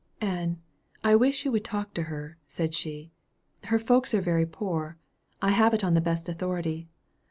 "Ann, I wish you would talk to her," said she. "Her folks are very poor. I have it on the best authority.